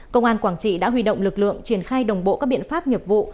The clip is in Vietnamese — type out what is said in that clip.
công an quảng trị đã huy động lực lượng triển khai đồng bộ các biện pháp nghiệp vụ